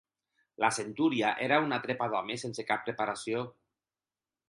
La centúria era una trepa d'homes sense cap preparació